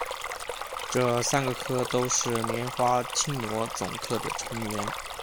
这三个科都是莲花青螺总科的成员。